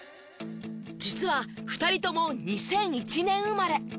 実は２人とも２００１年生まれ。